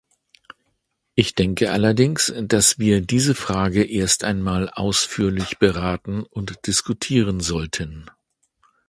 Ich denke allerdings, dass wir diese Frage erst einmal ausführlich beraten und diskutieren sollten.